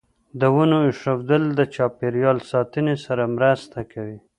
د ونو ایښودل د چاپیریال ساتنې سره مرسته کوي.